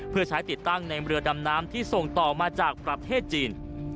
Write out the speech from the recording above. เพื่อใช้ติดตั้งในเรือดำน้ำที่ส่งต่อมาจากประเทศจีน